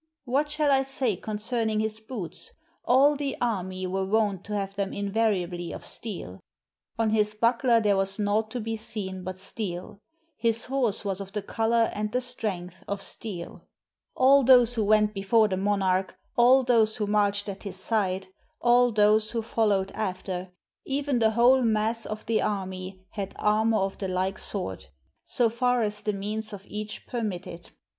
What shall I say concerning his boots? All the army were wont to have them invariably of steel; on his buckler there was naught to be seen but steel ; his horse was of the color and the strength of steel. All those who went before the monarch, all those who marched at his side, all those who followed after, even the whole mass of the army had armor of the like sort, so far as the means of each permitted.